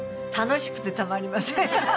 楽しくてたまりません。